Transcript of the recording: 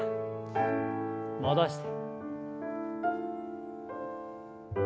戻して。